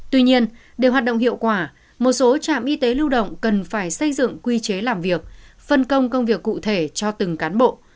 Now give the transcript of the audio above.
tuy nhiên để hoạt động hiệu quả một số trạm y tế lưu động cần phải xây dựng quy chế làm việc phân công công việc cụ thể cho từng cán bộ